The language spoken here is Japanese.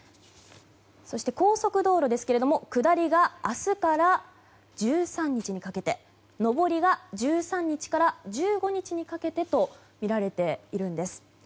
高速道路は下りが明日から１３日にかけて上りが１３日から１５日にかけてとみられているんです。